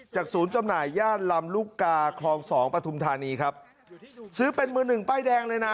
ศูนย์จำหน่ายย่านลำลูกกาคลองสองปฐุมธานีครับซื้อเป็นมือหนึ่งป้ายแดงเลยนะ